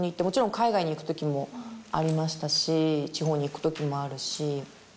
もちろん海外に行くときもありましたし地方に行くときもあるし。